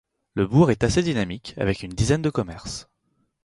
Le bourg est assez dynamique avec une dizaine de commerce.